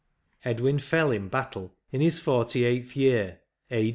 Edwin fell in battle in his forty eighth year, a.